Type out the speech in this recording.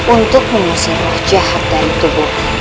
untuk memusnahkan jahat dari tubuh